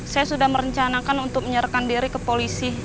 saya sudah merencanakan untuk menyerahkan diri ke polisi